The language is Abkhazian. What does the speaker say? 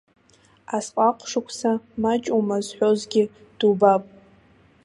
Асҟак шықәса маҷума зҳәогьы дубап.